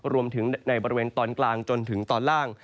รวมถึงในบริเวณตอนกลางจนถึงตอนล่าง